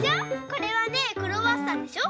これはねクロワッサンでしょ。